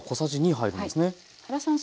原さん